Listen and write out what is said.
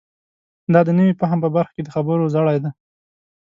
دا د نوي فهم په برخه کې د خبرو زړی دی.